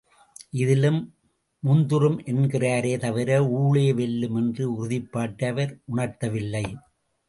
இதிலும் முந்துறும் என்கிறாரே தவிர ஊழே வெல்லும் என்ற உறுதிப்பாட்டை அவர் உணர்த்தவில்லை.